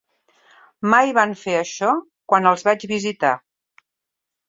Mai van fer això quan els vaig visitar.